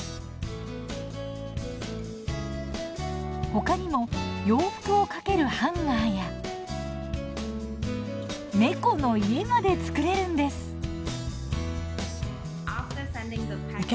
ほかにも洋服をかけるハンガーや猫の家まで作れるんです！